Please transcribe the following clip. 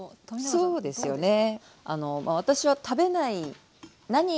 そうですよね。